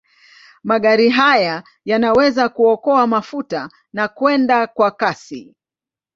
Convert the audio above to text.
Magari haya yanaweza kuokoa mafuta na kwenda kwa kasi.